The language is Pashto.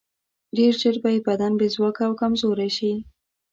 ډېر ژر به یې بدن بې ځواکه او کمزوری شي.